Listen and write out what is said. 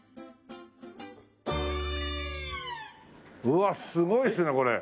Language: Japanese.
うわすごいっすねこれ。